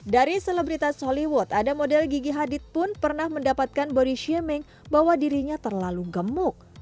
dari selebritas hollywood ada model gigi hadit pun pernah mendapatkan body shaming bahwa dirinya terlalu gemuk